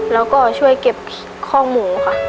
แล้วก็ช่วยเก็บคอกหมูค่ะ